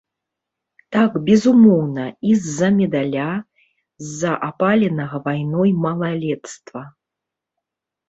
Так, безумоўна, і з-за медаля, з-за апаленага вайной малалецтва.